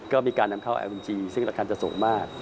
ก็มีการนำเข้าแอมจีซึ่งราคาจะสูงมาก